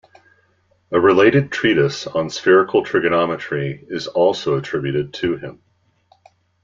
A related treatise on spherical trigonometry is also attributed to him.